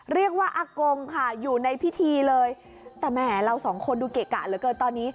เรียกว่าอากงค่ะอยู่ในพิธีเลยแต่แหมเราสองคนดูเกะกะเหลือเกินตอนนี้